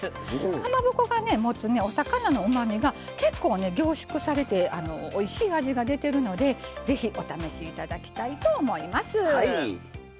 かまぼこが持つお魚のうまみが結構ね凝縮されておいしい味が出てるのでぜひお試し頂きたいと思います。